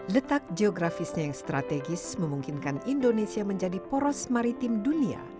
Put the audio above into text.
letak geografisnya yang strategis memungkinkan indonesia menjadi poros maritim dunia